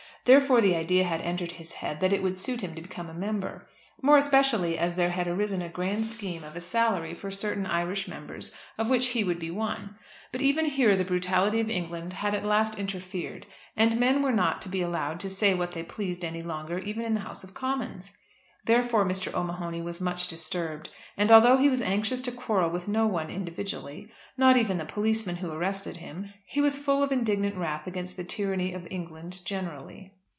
Therefore the idea had entered his head that it would suit him to become a member, more especially as there had arisen a grand scheme of a salary for certain Irish members of which he would be one. But even here the brutality of England had at last interfered, and men were not to be allowed to say what they pleased any longer even in the House of Commons. Therefore Mr. O'Mahony was much disturbed; and although he was anxious to quarrel with no one individually, not even the policemen who arrested him, he was full of indignant wrath against the tyranny of England generally.